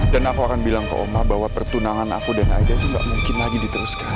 dan aku akan bilang ke oma bahwa pertunangan aku dan aida itu gak mungkin lagi diteruskan